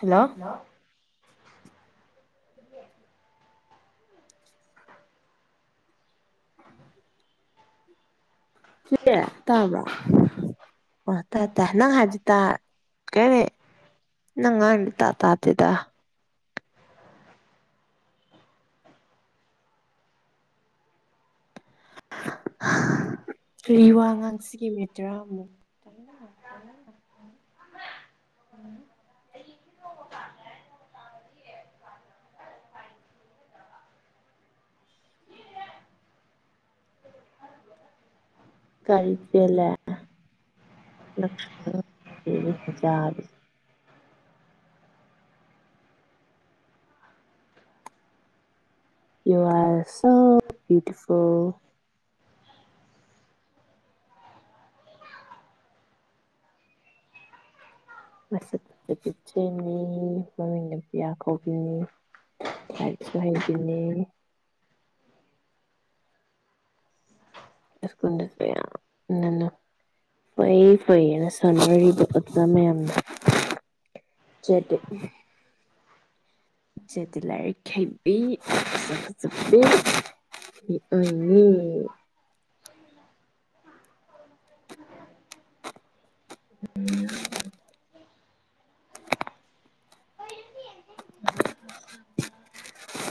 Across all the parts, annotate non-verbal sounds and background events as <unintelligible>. Hello. Hello. <unintelligible> ꯇꯥꯕ꯭ꯔꯥ ꯑꯣ ꯇꯥꯏ ꯇꯥꯏ ꯅꯪ ꯍꯥꯏꯖꯤ ꯇꯥꯔꯦ ꯅꯪ ꯉꯥꯡꯗꯨ ꯇꯥꯗꯦꯗ꯫ ꯀꯔꯤ ꯋꯥꯉꯥꯡꯁꯤꯒꯤ ꯃꯤꯅꯤꯠ ꯇꯔꯥ ꯑꯃꯨꯛ꯫ ꯎꯝ꯫ ꯒꯥꯔꯤ ꯆꯦꯜꯂꯦ ꯅꯥꯞꯁꯜꯂꯣ ꯌꯨ ꯑꯔ ꯁꯣ ꯕꯤꯌꯨꯇꯤꯐꯨꯜ꯫ ꯃꯆꯛ ꯃꯆꯠꯀꯤꯠꯅꯤ ꯃꯃꯤꯡ ꯅꯄꯤꯌꯥ ꯀꯧꯕꯅꯤ꯫ ꯂꯥꯏꯔꯤꯛꯁꯨ ꯍꯩꯒꯤꯝꯅꯤ ꯏꯁꯀ꯭ꯨꯜ ꯗꯁꯨ ꯌꯥꯝ ꯉꯟꯅ ꯐꯩ ꯐꯩ ꯍꯥꯏꯅ ꯁꯥꯟꯅꯔꯤꯕ ꯑꯣꯖꯥ ꯃꯌꯥꯝꯅ ꯆꯠꯇꯦ ꯏꯆꯦꯗꯤ ꯂꯥꯏꯔꯤꯛ ꯍꯩꯕꯤ ꯃꯁꯛ ꯐꯖꯕꯤ꯫ ꯎꯝ꯫ ꯎꯝ ꯎꯝ ꯎꯝ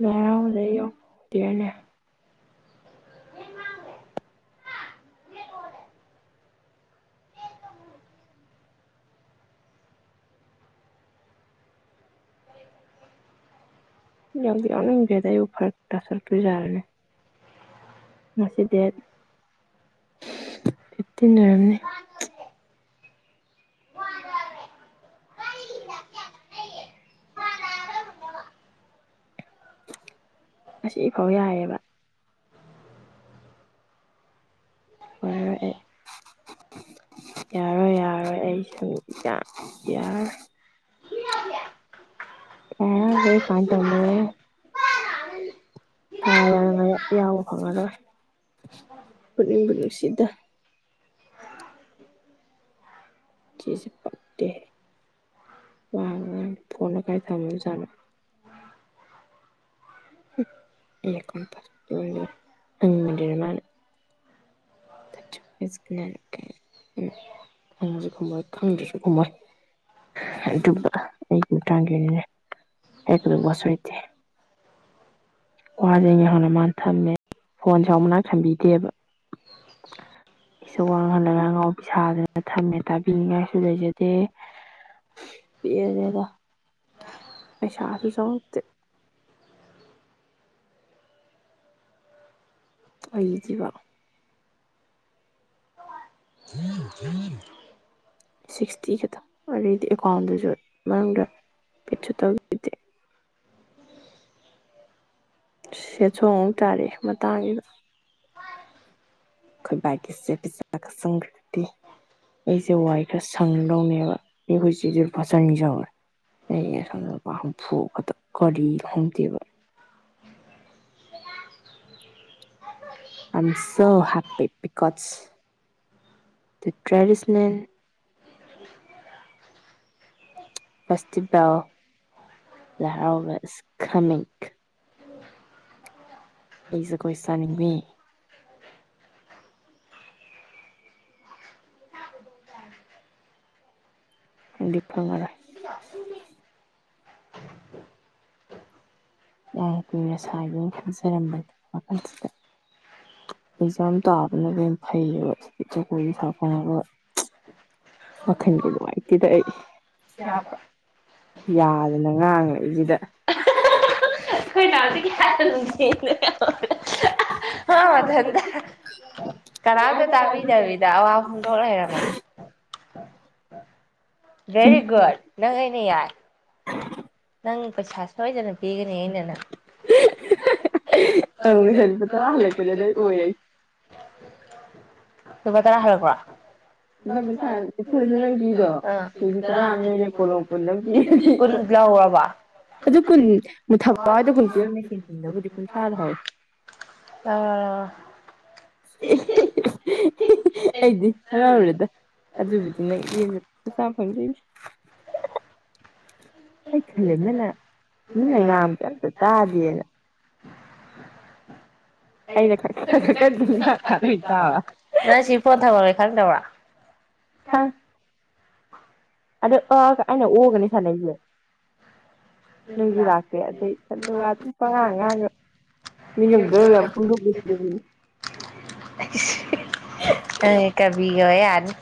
ꯉꯔꯥꯡ ꯂꯩꯌꯦꯛꯇꯦꯅꯦ ꯌꯥꯝ ꯌꯥꯎꯅꯤꯡꯗꯦ ꯑꯩꯕꯨ ꯐꯔꯛ ꯇꯥꯗꯣꯏ ꯖꯥꯔꯅꯦ꯫ ꯉꯁꯤ ꯗꯦꯠ ꯐꯤꯞꯇꯤꯟ ꯑꯣꯏꯔꯝꯅꯤ꯫ ꯉꯁꯤ ꯐꯥꯎ ꯌꯥꯏꯑꯦꯕ꯫ ꯑꯣꯏꯔꯔꯣꯏ ꯑꯩ ꯌꯥꯔꯣꯏ ꯌꯥꯔꯣꯏ ꯑꯩ ꯁꯨꯛ ꯌꯥ ꯌꯥꯔꯣꯏ ꯑꯦ ꯍꯣꯏ ꯀꯥꯔꯟ ꯇꯅꯦ ꯍꯥ ꯌꯥ ꯌꯥꯎ ꯐꯪꯉꯔꯣꯏ ꯄꯨꯛꯅꯤꯡꯕꯨ ꯅꯨꯡꯁꯤꯗ ꯆꯦꯁꯤ ꯄꯛꯇꯦ ꯃꯥꯅ ꯐꯣꯟ ꯀꯥꯏ ꯊꯝꯃꯤ ꯖꯥꯠꯅꯣ ꯄꯛꯇꯦ ꯍꯥꯏꯅꯤꯡꯗꯦ ꯌꯥꯝꯅ ꯈꯥꯪꯉꯁꯨ ꯈꯨꯝꯃꯣꯏ ꯈꯪꯗ꯭ꯔꯁꯨ ꯈꯨꯝꯃꯣꯏ ꯑꯗꯨꯒ ꯑꯌꯨꯛ ꯅꯨꯡꯗꯗꯥꯡ ꯑꯣꯏꯒꯦꯔ ꯍꯥꯏꯒꯗꯕ ꯋꯥꯁꯨ ꯂꯩꯇꯦ ꯋꯥꯁꯦ ꯌꯥꯝꯅ ꯃꯥꯅ ꯊꯝꯃꯦ ꯐꯣꯟꯁꯨ ꯃꯅꯥꯛ ꯊꯝꯕꯤꯗꯦꯕ <unintelligible> ꯏꯆ ꯋꯥꯍꯜꯗꯒ ꯉꯥꯎ ꯄꯩꯁꯥꯗꯅ ꯊꯝꯃꯦ ꯇꯥꯕꯤꯅꯤꯉꯥꯏꯁꯨ ꯂꯩꯖꯗꯦ ꯄꯦꯜꯂꯦꯗ ꯄꯩꯁꯥꯁꯨ ꯆꯪꯉꯇꯦ꯫ ꯑꯣꯏꯈꯤꯕ <unintelligible> ꯁꯤꯛꯁꯇꯤ ꯈꯛꯇꯪ ꯑꯩꯗꯤ ꯑꯦꯀꯥꯎꯟꯗꯨꯁꯨ ꯃꯅꯨꯡꯗ ꯄꯦꯠꯁꯨ ꯇꯧꯈꯤꯗꯦ ꯁꯦꯠꯁꯣꯡ ꯊꯥꯔꯑꯦ ꯃꯇꯥꯡꯁꯤꯗ ꯑꯩꯈꯣꯏ ꯒꯤ꯭ ꯆꯦ ꯄꯁ ꯁꯪꯀ꯭ꯇ ꯑꯩꯖꯦ ꯋꯥ ꯑꯩꯈ ꯁꯪꯗꯥꯎꯅꯦꯕ ꯑꯩ ꯍꯣꯏꯁꯖꯔ ꯐꯖꯥꯅꯤꯖꯥꯎ ꯑꯩꯄꯥ ꯍꯐꯣꯛꯑꯄꯗ ꯀꯔꯤ ꯈꯪꯗꯦꯕ I am so happy because ꯇ ꯇ꯭ꯔꯦꯗꯤꯁꯅꯦꯜ ꯐꯦꯁꯇꯤꯚꯦꯜ ꯂꯔꯥꯎꯕ ꯏꯁ ꯈꯥꯃꯤꯡ ꯑꯩ ꯖꯒꯣꯏ ꯁꯥꯥꯅꯤꯡꯉ ꯐꯡꯗꯤ ꯐ꯭ꯉꯔꯣ ꯎ <unintelligible> ꯌꯥꯝ ꯀꯨꯏꯅ ꯁꯥꯏꯒꯦꯅ ꯈꯟꯖꯔꯝꯕꯅꯦ ꯋꯥꯈꯜꯁꯤꯗ꯫ ꯑꯦꯛꯖꯥꯝ ꯇꯥꯕꯅ ꯀꯔꯤꯝ ꯐꯩ ꯀ ꯁꯥꯄꯔꯣꯏ ꯋꯥꯈꯜꯒꯤ ꯅꯨꯡꯉꯥꯏꯇꯦꯗ ꯑꯩ ꯌꯥꯕ꯭ꯔꯥ ꯌꯥꯗꯅ ꯉꯥꯡꯉꯛꯦꯁꯤꯗ ꯑꯩꯈꯣꯏ ꯅꯥꯎꯇ ꯍꯥꯟꯅ ꯅꯨꯡꯦꯡ ꯃꯊꯟꯇ ꯀꯅꯥꯝꯇ ꯇꯥꯕꯤꯗꯕꯤꯗ ꯑꯋꯥ ꯍꯣꯡꯗꯣꯛ ꯂꯩꯔꯝꯃꯦ ꯦꯔꯤ ꯨꯗ ꯅꯪ ꯑꯦꯅꯦ ꯌꯥꯏ ꯅꯪ ꯄꯩꯁ ꯁꯏꯖꯅ ꯏꯒꯅꯦꯟꯅꯅ ꯑꯪ ꯉꯁꯥꯏ ꯂꯨꯄꯥ ꯇꯔꯥ ꯍꯜꯂꯛꯄꯗꯗꯩ ꯑꯣꯏꯔꯦ ꯁꯃ ꯇꯔꯥ ꯍꯔꯀ ꯂꯨꯄꯥ ꯀꯨꯟꯊ꯭ꯔꯥ ꯅꯤꯐꯨꯗꯁꯨ ꯅꯪ ꯄꯤꯗꯣ ꯀꯦꯖꯤ ꯇꯔꯥ ꯑꯃ ꯂꯩꯔꯦ ꯀꯣꯂꯣꯝ ꯀꯨꯟ ꯑꯃ <unintelligible> ꯄꯤꯔꯗꯤ ꯀꯟ ꯂꯑꯣꯕ ꯑꯗꯨ ꯀꯨꯟꯨ ꯊꯕꯥꯏꯗ ꯀꯨꯟ ꯄꯤꯔꯝꯅꯦ ꯀꯨꯟꯨꯗꯕꯨꯗꯤ ꯀꯨꯟꯊꯥꯗ ꯍꯧꯋꯦ ꯑ ꯑꯩꯗꯤ ꯍꯔꯥꯎꯨꯔꯦꯗ ꯑ ꯑꯗꯨꯕꯨꯗꯤꯅ ꯌꯦ ꯁꯥꯐꯗ <unintelligible> ꯑꯩ ꯈꯜꯂꯦ ꯅꯪꯅ ꯅꯪꯅ ꯉꯥꯡꯝꯇ ꯑꯝꯇ ꯇꯥꯗꯦꯅ ꯑꯩꯅ ꯈꯔ ꯈꯔ ꯈꯔ ꯀꯟꯅ ꯉꯥꯡ ꯀꯥꯟꯗ ꯑꯣꯏ ꯇꯥꯕ <unintelligible> ꯅ ꯁꯤ ꯄꯣꯟꯠ ꯊꯕꯦ ꯈꯪꯗꯕ꯭ꯔꯥ ꯍꯥꯥ ꯑꯗ ꯑꯒ ꯑꯩꯅ ꯑꯣꯒꯅꯤ ꯁꯥꯟꯅꯩꯁꯦ ꯂꯁꯨ ꯂꯥꯛꯇꯦ ꯑꯗꯩꯊꯟꯗ ꯋꯥ ꯑꯗꯨꯝ ꯄꯉꯥꯡ ꯉꯥꯡꯒ ꯃꯤ ꯗ ꯄꯨ ꯀꯕꯤ ꯑꯣꯏ ꯌꯥꯔꯅꯤ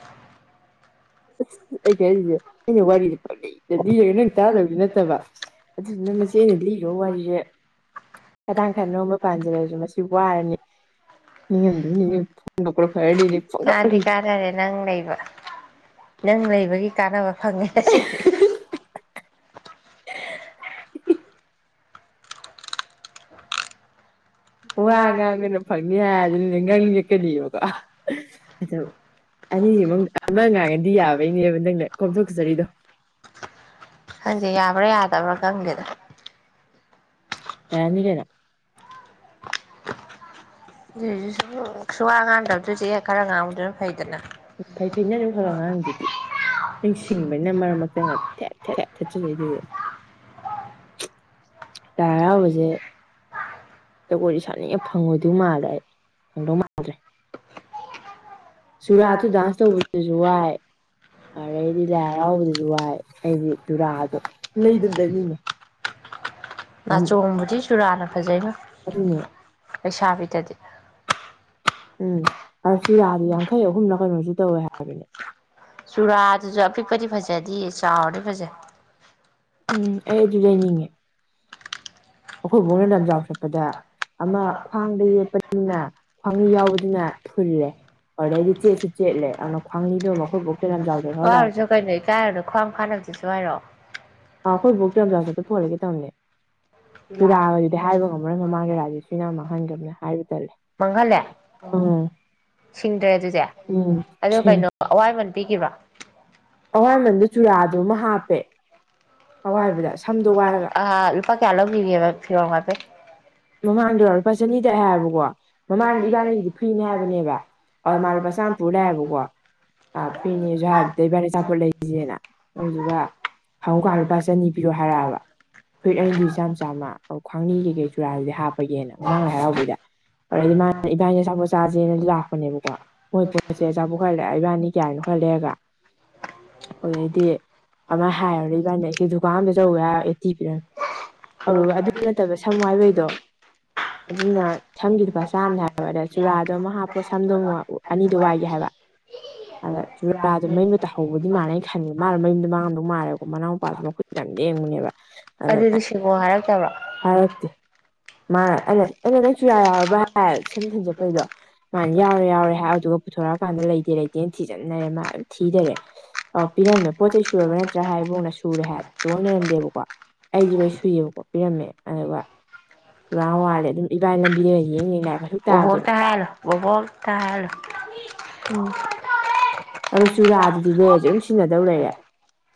ꯑꯁ ꯑꯩ ꯀꯔꯤꯁꯦ ꯑꯩꯅ ꯋꯥꯔꯤꯁꯦ ꯄꯂꯛꯏꯗꯗꯤ ꯅꯪ ꯆꯥꯗꯕꯗꯤ ꯅꯠꯇꯕ ꯑꯗꯨꯗꯨꯅ ꯃꯆꯦ ꯑꯩꯅ ꯂꯤꯈꯣ ꯋꯥꯔꯤꯁꯦ ꯈꯗꯥꯡ ꯈꯔ ꯅꯣꯝꯕ ꯄꯥꯟꯖꯔꯁꯨ ꯃꯁꯤ ꯋꯥꯔꯅꯤ ꯐꯣꯟ ꯐꯔ ꯐꯣꯟ ꯍꯥꯏꯇꯥꯔꯦ ꯅꯪ ꯂꯩꯕ ꯅꯪ ꯂꯩꯕꯒꯤ ꯀꯥꯟꯅꯕ ꯐꯪꯉꯦ ꯋꯥ ꯉꯥꯡꯈꯅ ꯐꯪꯅꯤ ꯍꯥꯏ ꯑꯗꯨꯅꯅꯦ ꯉꯪ ꯀꯀꯅꯤꯕꯀꯣ ꯑꯗꯨ ꯑꯅꯤꯁꯤꯃꯛ ꯑꯃ ꯉꯥꯡꯉꯗꯤ ꯌꯥꯕꯩꯅꯦꯕ ꯅꯪꯅ ꯀꯣꯝꯊꯣꯛꯆꯆꯔꯤꯗꯣ ꯍꯪꯖꯤ ꯌꯥꯕ꯭ꯔꯥ ꯌꯥꯗꯕ꯭ꯔꯥ ꯈꯪꯗꯦꯗ ꯌꯥꯔꯅꯤ ꯀꯩꯅꯣ ꯌꯥꯗ ꯁ ꯁꯨꯋꯥ ꯉꯥꯡꯗꯕꯗꯣꯏꯁꯦ ꯈꯔ ꯉꯥꯡꯕꯗꯅ ꯐꯩꯗꯅ ꯐꯩ ꯐꯩ ꯅꯪ ꯑꯗꯨꯝ ꯈꯔ ꯈꯔ ꯉꯥꯡꯉꯤꯗꯨꯗꯤ ꯑ ꯃꯤꯁꯤ ꯇꯒꯦ ꯂꯥꯏ ꯍꯔꯥꯎꯕꯁꯦ ꯖꯒꯣꯏꯗꯤ ꯁꯥꯥꯅꯤꯡꯉꯦ ꯐꯪꯉꯣꯏꯗꯣꯏ ꯃꯥꯜꯂꯦ ꯑꯩ ꯐꯪꯗꯧ ꯃꯥꯟ ꯁꯨꯔꯗꯨ ꯗꯥꯥꯟꯁ ꯇꯧꯕꯗꯁꯨ ꯋꯥꯏ ꯑꯔꯩꯗꯤ ꯂꯥꯏ ꯍꯔꯥꯎꯕꯗꯁꯨ ꯋꯥꯏ ꯑꯩꯗꯤ ꯌꯨꯔꯥꯗꯣ ꯂꯩꯗꯨꯝ ꯂꯩꯅꯤꯡꯏ ꯅꯥꯆꯣꯡꯕꯨꯗꯤ ꯆꯨꯔꯥꯟꯅ ꯐꯖꯩꯕꯣ ꯑꯗꯨꯅꯦ ꯂꯩꯁꯥꯕꯤꯗꯗꯤ ꯎꯝ ꯁꯤ ꯌꯥꯗꯤ ꯌꯥꯡꯈꯩ ꯑꯍꯨꯝꯂꯥ ꯀꯩꯅꯣꯁꯨ ꯇꯧꯋꯦ ꯍꯥꯏ ꯆꯨꯔꯥꯗꯨꯁꯨ ꯑꯄꯤꯛꯄꯗꯤ ꯐꯖꯗꯦ ꯆꯥꯎꯔꯗꯤ ꯐꯖꯩ ꯎꯝ ꯑꯩ ꯑꯗꯨ ꯂꯩꯅꯤꯡꯉꯦ ꯑꯩꯈꯣꯏ ꯕꯣꯛꯅ ꯂꯝꯖꯥꯎ ꯆꯠꯄꯗ ꯑꯃ ꯈ꯭ꯋꯥꯡꯗ ꯌꯦꯞꯄꯗꯨꯅ ꯈ꯭ꯋꯥꯡꯃꯤ ꯌꯥꯎꯕꯗꯨꯅ ꯊꯨꯜꯂꯦ ꯑꯗꯩꯩꯁꯨ ꯆꯦꯠꯁꯨ ꯆꯦꯠꯂꯦ ꯑꯗꯨꯅ ꯈ꯭ꯋꯥꯡꯅꯤꯗꯣ ꯑꯈꯣꯏ ꯕꯣꯛꯇ ꯂꯝꯖꯥꯎꯗ ꯂꯧꯍꯜꯂꯛꯑꯒꯦ ꯋꯥꯔꯁꯨ ꯀꯩꯅꯣ ꯏꯀꯥꯏ ꯍꯥꯏꯔꯨꯅꯣ ꯈ꯭ꯋꯥꯡ ꯐꯅꯕꯁꯤꯁꯨ ꯍꯥꯏꯔꯛꯑꯣ ꯑ ꯑꯩꯈꯣꯏ ꯕꯣꯛꯇꯥ ꯂꯝꯖꯥꯎ ꯆꯠꯄꯗ ꯄꯣꯍꯜꯂꯛꯀꯦ ꯇꯧꯕꯅꯦ ꯆꯨꯔꯥꯒꯗꯨꯗꯤ ꯍꯥꯏꯕ ꯉꯝꯃꯔꯣꯏ ꯃꯃꯥꯡꯗ ꯔꯥꯗꯤ ꯁꯤꯅ ꯃꯥꯡꯍꯟꯈꯕꯅꯦ ꯍꯥꯏꯕ ꯇꯜꯂꯦ ꯃꯪꯍꯦꯜꯂꯦ ꯎꯝ ꯁꯤꯡꯗ꯭ꯔꯦ ꯑꯗꯨꯗꯤ ꯎꯝ ꯑꯗꯣ ꯀꯩꯅꯣ ꯑꯋꯥꯏꯃꯟ ꯄꯤꯈꯤꯕꯣ <unintelligible> ꯑꯍꯣꯏ ꯃꯟꯗ ꯆꯨꯔꯥꯗꯨꯃ ꯍꯥꯞꯄꯦ ꯑꯋꯥꯏꯕꯗ ꯁꯝꯗꯣ ꯋꯥꯏꯔꯒ ꯑ ꯂꯨꯄꯥ ꯀꯌꯥ ꯂꯧꯒꯤꯒꯦꯕ ꯐꯤꯔꯣꯟ ꯋꯥꯏꯕꯩ ꯃꯃꯥꯡꯗ ꯂꯨꯄꯥ ꯆꯅꯤꯗ ꯍꯥꯏꯌꯦꯕꯀꯣ <unintelligible> ꯃꯃꯥꯡꯗ ꯂꯥꯁꯇ ꯏꯕꯥꯏꯅꯤ ꯏꯕꯥꯅꯤꯒꯤꯗꯤ ꯐ꯭ꯔꯤꯅꯦ ꯍꯥꯏꯕꯅꯦꯕ ꯏꯟꯅꯔꯛꯢꯕ, ꯑꯗꯨ ꯃꯥ ꯂꯨꯄꯥ ꯀꯅꯥꯅꯣ ꯆꯥꯝꯃ ꯆꯥꯛ ꯄꯨꯔ ꯄꯤꯖꯔꯤꯗꯨꯕꯣ ꯂꯥꯛꯑꯦꯕꯀꯣ <inaudible> ꯐ꯭ꯔꯤꯅꯦꯁꯨ ꯍꯥꯏꯕꯗ ꯏꯕꯥꯅꯤ ꯑꯆꯥꯄꯣꯠ ꯑꯗꯨꯗꯨꯒ ꯍꯪꯉꯨꯀꯥꯟ ꯂꯨꯄꯥ ꯍꯪꯉꯨꯀꯟ ꯆꯅꯤ ꯄꯤꯔꯣ ꯍꯥꯏꯔꯛꯑꯕ ꯐꯨꯔꯤꯠ ꯑꯅꯤꯗꯨꯒꯤ <unintelligible> ꯆꯥꯝ ꯆꯥꯝꯃ ꯈ꯭ꯋꯥꯡꯅꯤ ꯀꯩꯀꯩ ꯆꯨꯔꯥꯗꯨꯗꯤ ꯍꯥꯞꯄꯒꯦꯅ ꯃꯃꯥꯡ ꯂꯥꯏ ꯍꯥꯏꯔꯛꯑꯕ <unintelligible> ꯍꯔꯥꯎꯕꯩꯗ <unintelligible> ꯏꯕꯥꯅꯤ ꯑꯆꯥꯄꯣꯠ ꯆꯥꯥꯁꯦꯅ ꯂꯥꯛꯄꯅꯦꯕꯀꯣ <unintelligible> ꯃꯣꯏ ꯄꯣꯠꯁꯦ ꯑꯆꯥꯄꯣꯠ ꯈꯔ ꯂꯩꯔ ꯏꯕꯥꯅꯤ <inaudible> ꯑꯣꯏ ꯑꯩꯗꯤ ꯑꯗꯨꯃꯥꯏ ꯍꯥꯏꯔꯨꯔꯦ ꯏꯕꯥꯅꯤꯅ ꯑꯩꯁꯦ ꯗꯨꯀꯥꯟ ꯑꯃꯗ ꯆꯠꯂꯨꯒꯦ ꯍꯥꯏꯔ ꯑꯦꯇꯤ ꯄꯤꯔꯝꯃꯤ ꯑꯗꯨꯒ ꯑꯗꯨ ꯅꯠꯇꯕ ꯁꯪ ꯋꯥꯏꯕꯩꯗꯣ ꯑꯗꯨꯅ ꯁꯝꯒꯤꯗꯨ ꯂꯨꯄꯥ ꯆꯥꯝꯃꯅꯦ ꯍꯥꯏꯕ ꯑꯗꯨ ꯆꯨꯔꯥꯗꯣ ꯑꯃꯛ ꯍꯥꯞꯄꯣ ꯁꯝꯗꯣ ꯑꯃꯨꯛ ꯑꯅꯤꯗꯣ ꯋꯥꯏꯒꯦ ꯍꯥꯏꯕ ꯑꯗ ꯆꯨꯔꯥꯗꯣ ꯃꯌꯨꯝꯗ ꯇꯥꯍꯧꯕꯗꯤ ꯃꯥꯥꯟꯂꯦ ꯈꯟꯕꯗ ꯃꯥ ꯃꯌꯨꯝꯗ ꯃꯥꯡꯉꯝꯗꯧ ꯃꯥꯂꯦꯕꯀꯣ ꯃꯅꯥꯎꯄꯥꯁꯨ ꯃꯈꯨꯠ ꯌꯥꯝ ꯂꯦꯡꯕꯅꯦꯕ ꯑꯗ ꯑꯗꯨꯗꯤ ꯁꯤꯡꯉꯣ ꯍꯥꯏꯔꯛꯇꯕ꯭ꯔꯣ ꯐꯥꯔꯛꯇꯦ ꯃꯥ ꯑꯩꯅ ꯑꯩꯅ ꯅꯪ ꯆꯨꯔꯥ ꯌꯥꯎꯔꯕ ꯍꯥꯏ ꯁꯝ ꯊꯤꯟ ꯆꯠꯄꯩꯗꯣ ꯃꯅꯥ ꯌꯥꯎꯔꯦ ꯌꯥꯎꯔꯦ ꯍꯥꯏ ꯑꯗꯨꯗꯨꯒ ꯄꯨꯊꯣꯔꯛꯑꯀꯥꯟꯗ ꯂꯩꯇꯦ ꯂꯩꯇꯦꯅ ꯊꯤꯖꯤꯟꯅꯔꯦ ꯃꯥ ꯑꯗꯨꯝ ꯊꯤꯂꯩꯔꯦ ꯑꯄꯤꯔꯝꯃꯦ ꯄꯣꯠ ꯆꯩ ꯁꯨꯔꯕ ꯅꯠꯇ꯭ꯔꯥ ꯍꯥꯏꯔꯦ ꯏꯕꯣꯛꯅ ꯁꯨꯔꯦ ꯍꯥꯏ ꯇꯣꯟ ꯂꯩꯔꯝꯗꯦꯕꯀꯣ ꯑꯩꯗꯤ ꯂꯣꯏ ꯁꯨꯏꯌꯦꯕꯀꯣ ꯄꯤꯔꯝꯃꯦ ꯑꯗꯨꯒ ꯆꯨꯔꯥ ꯑꯃ ꯋꯥꯠꯂꯦ ꯑꯗꯨꯝ ꯏꯥꯕꯅꯤ ꯂꯝꯕꯤꯗꯒ ꯌꯦꯡ ꯌꯦꯡꯉꯥꯒ ꯂꯛꯑꯦꯕ ꯀꯩꯁꯨ ꯇꯥꯗꯦꯕ ꯕꯣꯕꯣꯛꯇꯥ ꯍꯥꯏꯍꯜꯂꯨ ꯎꯝ ꯑꯗꯣ ꯆꯨꯔꯥꯗꯨꯗꯤꯅꯦ ꯑꯗꯨꯝ ꯁꯤꯖꯤꯟꯅꯗꯧ ꯂꯩꯔꯦ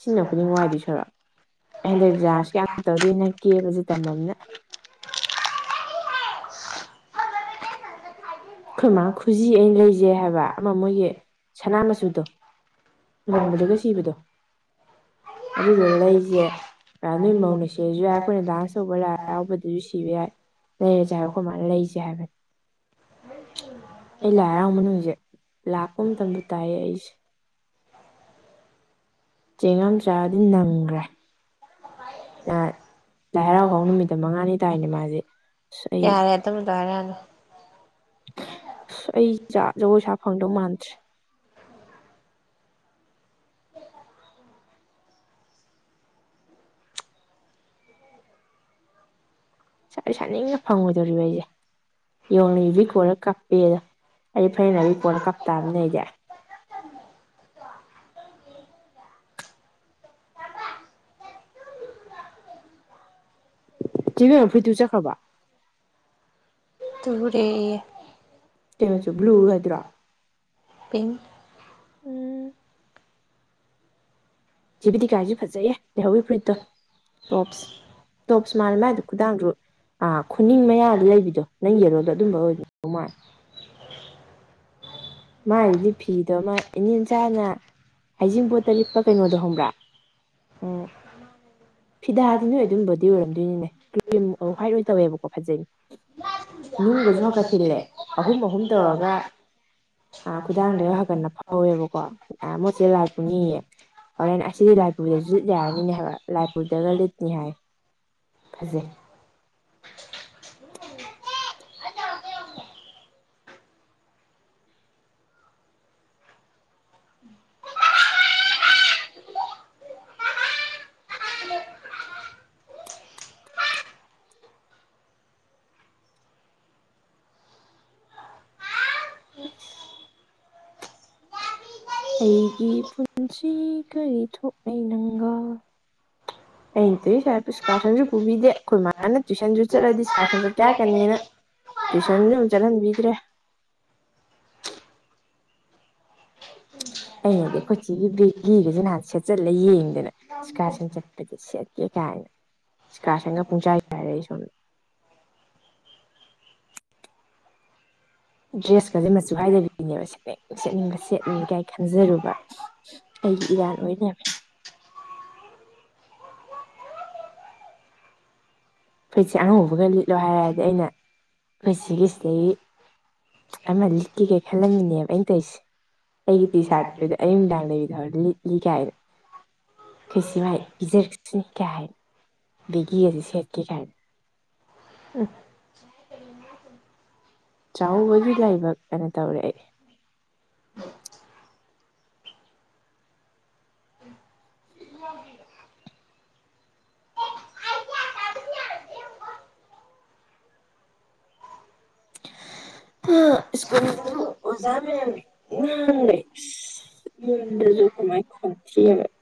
ꯁꯤꯖꯤꯟꯅ ꯈꯨꯗꯤꯡ ꯋꯥꯏꯗꯣꯏ ꯁꯔꯨꯛ ꯍꯟꯗꯛ ꯖꯥꯟꯁꯀ ꯌꯥꯝ ꯇꯧꯗꯣꯏꯅꯦ ꯅꯪ ꯀꯦꯕꯁꯦ ꯇꯝꯃꯕꯅꯤꯅ <inaudible> ꯑꯈꯣꯏ ꯃꯥꯥ ꯈꯨꯖꯤ ꯑꯩꯅ ꯂꯩꯖꯩ ꯍꯥꯏꯕ ꯑꯃ ꯃꯣꯏꯒꯤ ꯁꯅꯥ ꯃꯆꯨꯗꯣ ꯂꯨꯍꯣꯡꯕꯗꯒ ꯁꯤꯕꯗꯣ ꯑꯗꯨꯗꯣ ꯂꯩꯖꯦ ꯅꯣꯏ ꯃꯧꯅ ꯁꯤꯔꯖꯨ ꯌꯥꯏ ꯑꯈꯣꯏꯅ ꯗꯥꯟꯁ ꯇꯧꯕ ꯂꯥꯏ ꯍꯔꯥꯎꯕꯗꯁꯨ ꯁꯤꯕ ꯌꯥꯏ ꯂꯩꯔꯖꯦ ꯍꯥꯏꯕ ꯑꯈꯣꯏ ꯃꯥ ꯂꯩꯖꯦ ꯍꯥꯏꯕꯅꯦ ꯑꯩ ꯂꯥꯏ ꯍꯔꯥꯎꯕ ꯌꯦꯡꯉꯦ <unintelligible> ꯍꯥꯏꯑꯩꯁ <unintelligible> ꯆꯦꯡ ꯌꯥꯝ ꯆꯥꯗꯤ ꯅꯪꯈ꯭ꯔꯦ ꯅꯍꯥꯟ ꯂꯥꯏꯍꯔꯥꯎ ꯍꯧ ꯅꯨꯃꯤꯠꯇ ꯃꯉꯥꯅꯤ ꯇꯥꯏꯅꯦ ꯃꯥꯗꯤ ꯌꯥꯔꯦ ꯑꯗꯨꯝꯕꯗꯣ ꯍꯥꯏꯔꯛꯑꯅꯨ ꯑꯁ ꯑꯩ ꯖꯥ ꯖꯒꯣꯏ ꯁꯥ ꯐꯪꯗꯧ ꯃꯥꯟꯗ꯭ꯔꯦ <unintelligible> ꯁꯤꯗꯤ ꯁꯥꯅꯤꯡꯅ ꯐꯪꯉꯣꯏꯗꯧꯔꯤꯕ ꯑꯩꯁꯦ ꯌꯦꯡ ꯌꯨꯕꯤ ꯀꯣꯜꯂ ꯀꯞꯄꯦꯗꯣ ꯑꯩꯗꯤ ꯐꯅꯦꯛ ꯅꯥꯏꯕꯤ ꯀꯣꯜꯂ ꯀꯞ ꯇꯥꯕꯅꯤꯅꯦ ꯑꯩꯗꯤ ꯆꯦ ꯕꯦꯝꯃ ꯐꯨꯔꯤꯠ ꯇꯨꯕ ꯆꯠꯈ꯭ꯔꯕꯣ ꯇꯨꯔꯦꯌꯦ ꯀꯩ ꯃꯆꯨ ꯕ꯭ꯂꯨ ꯅꯠꯇ꯭ꯔꯣ ꯄꯤꯡ ꯎꯝ ꯆꯦ ꯕꯤꯇꯤꯀꯥꯏꯁꯨ ꯐꯖꯩꯌꯦ ꯂꯩꯍꯧꯔꯤ ꯐꯨꯔꯤꯠꯇꯣ ꯇꯣꯞꯁ ꯇꯣꯞꯁ ꯃꯥꯜꯂꯦ ꯃꯥꯥꯏꯗꯣ ꯈꯨꯗꯥꯡꯖꯨ ꯑꯥ ꯈꯨꯅꯤꯡ ꯃꯌꯥꯗ ꯂꯩꯕꯤꯗꯣ ꯅꯪ ꯌꯦꯜꯂꯣꯗꯣ ꯑꯗꯨꯝꯕ ꯑꯣꯏꯕ <unintelligible> ꯃꯥꯏꯗꯨꯗꯤ ꯐꯤꯗꯣ ꯑꯃ ꯏꯅꯦꯝ ꯆꯥꯅ <unintelligible> ꯍꯩꯖꯤꯡꯄꯣꯠꯇ ꯂꯤꯠꯄ ꯀꯩꯅꯣꯗꯣ ꯈꯪꯕ꯭ꯔꯥ ꯎꯝ <unintelligible> ꯐꯤꯗꯥꯗꯤ ꯅꯣꯏ ꯑꯗꯨꯝꯕꯗꯤ ꯑꯣꯏꯔꯝꯗꯣꯏꯅꯤꯅꯦ ꯀ꯭ꯔꯤꯝ ꯍ꯭ꯋꯥꯏꯠ ꯑꯣꯏꯅ ꯇꯧꯋꯦꯕꯀꯣ ꯐꯖꯩ ꯅꯨꯡꯒꯁꯨ ꯍꯛꯀꯠ ꯊꯤꯜꯂꯦ ꯑꯍꯨꯝ ꯑꯍꯨꯝ ꯇꯧꯔꯒ ꯑꯥ ꯈꯨꯗꯥꯡꯗꯒ ꯍꯒ ꯅꯞꯐꯧꯋꯦꯕꯀꯣ ꯑꯥ ꯃꯣꯏ ꯆꯦ ꯂꯥꯏ ꯄꯨꯅꯤꯌꯦ ꯍꯣꯔꯦꯟ ꯑꯥꯏ ꯁꯤꯗꯤ ꯂꯥꯏ ꯄꯨꯕꯗꯁꯨ ꯂꯤꯠ ꯌꯥꯔꯅꯤꯅꯦ ꯍꯥꯏꯕ ꯂꯥꯏꯄꯨꯔꯗꯒ ꯂꯤꯠꯅꯤ ꯍꯥꯏ ꯐꯖꯩ <unintelligible> <unintelligible> <unintelligible> ꯑꯩꯒꯤ ꯄꯨꯟꯁꯤ ꯀꯔꯤ ꯊꯣꯛꯅꯩ ꯅꯪꯒ ꯑꯩꯅ ꯇꯨꯏ ꯁꯥꯏ ꯁ꯭ꯀꯥꯔꯁꯟꯁꯨ ꯄꯨꯕꯤꯗꯦ ꯑꯩꯈꯣꯏ ꯃꯥꯅ ꯇꯨꯏꯁꯟꯁꯨ ꯆꯠꯂꯗꯤ ꯁ꯭ꯀꯥꯔꯁꯟ ꯆꯠꯀꯦ ꯍꯥꯏꯔꯛꯀꯅꯤꯅ ꯇꯌꯨꯏꯁꯟꯖꯨ ꯑꯝ ꯆꯠꯍꯟꯕꯤꯗ꯭ꯔꯦ ꯑꯩꯅꯗꯤ ꯑꯈꯣꯏ ꯆꯦꯒꯤ ꯕꯦꯒꯤꯒꯁꯦ ꯅꯍꯥꯟ ꯁꯦꯠꯆꯠꯂ ꯌꯦꯡꯗꯅ ꯁ꯭ꯀꯥꯔꯁꯟ ꯆꯠ ꯄꯗ ꯁꯦꯠꯀꯦ ꯀꯥꯏꯅ ꯁ꯭ꯀꯥꯁꯟꯒ ꯄꯨꯡꯆꯥꯏ ꯆꯥꯏꯔꯦ ꯑꯩ ꯁꯣꯝ ꯗ꯭ꯔꯦꯁꯀꯁꯦ ꯃꯆꯨ ꯍꯥꯏꯗꯕꯤꯅꯦꯕ ꯁꯦꯠꯅꯤꯡ ꯁꯦꯠꯅꯤꯡꯕ ꯁꯦꯠꯅꯤꯒꯥꯏ ꯈꯟꯖꯔꯨꯕ ꯑꯩꯒꯤ ꯏꯔꯥꯟ ꯑꯣꯏ ꯂꯩꯔꯝꯃꯦ ꯐꯨꯔꯤꯠꯁꯦ ꯑꯉꯧꯕꯒ ꯂꯤꯠꯂꯣ ꯍꯥꯏꯔꯛꯗꯤ ꯑꯩꯅ ꯑꯈꯣꯏ ꯆꯦꯒꯤ ꯁꯤꯗꯒꯤ ꯑꯃ ꯂꯤꯠꯀꯦ ꯀꯩ ꯈꯜꯂꯝꯃꯤꯅꯦꯕ ꯑꯩꯅ ꯇꯧꯁꯦ ꯑꯩꯒꯤ ꯇꯤ ꯁꯥꯔꯠꯇꯨꯗꯤ ꯑꯌꯨꯛ ꯅꯨꯡꯗꯥꯡ ꯂꯩꯗꯔ ꯂꯤꯠꯂꯤ ꯀꯥꯏꯅ ꯀꯩꯁꯤ ꯃꯥꯏ ꯄꯤꯖꯔꯛꯁꯅꯤ ꯀꯥꯏ ꯕꯦꯒꯤꯒꯁꯦ ꯁꯦꯠꯀꯦ ꯀꯥꯏꯅ ꯎꯝ <unintelligible> ꯆꯥꯎꯕꯒꯤ ꯂꯥꯏꯕꯛ ꯑꯅ ꯇꯧꯔꯦ ꯑꯩ <unintelligible> ꯁꯀꯨꯟ ꯗꯖꯨ ꯑꯣꯖꯥ <unintelligible>